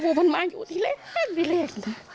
เขามาอยู่ที่แรก